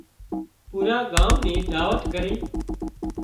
پوُرا ڳام نِي دعوت ڪرِي